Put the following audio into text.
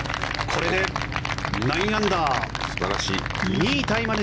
これで９アンダー。